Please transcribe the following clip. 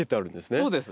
そうです。